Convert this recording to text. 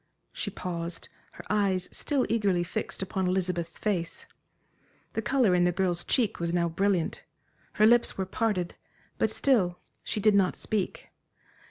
She paused, her eyes still eagerly fixed upon Elizabeth's face. The color in the girl's cheek was now brilliant, her lips were parted; but still she did not speak.